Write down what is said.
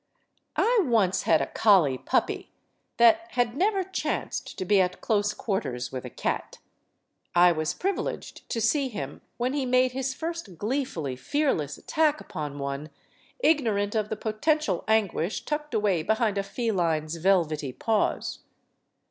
I once had a collie puppy that had never chanced to be at close quarters with a cat. I was privileged to see him when he made his first gleefully fearless attack upon one, ignorant of the potential anguish tucked away Behind a feline's velvety paws.